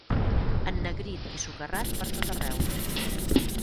Ennegrit i socarrat pertot arreu.